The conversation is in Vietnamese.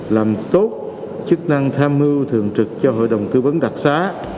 làm tốt chức năng tham mưu thường trực cho hội đồng tư vấn đặc xá